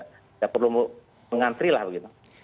tidak perlu mengantri lah begitu